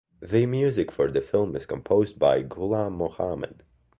The music for the film is composed by Ghulam Mohammed.